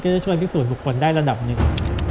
จะช่วยพิสูจน์บุคคลได้ระดับหนึ่ง